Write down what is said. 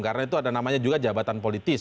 karena itu ada namanya juga jabatan politis